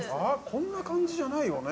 こんな感じじゃないよね？